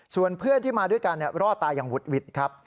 ส่วนเพื่อนที่มาด้วยกันรอดตายอย่างหุดหวิดครับ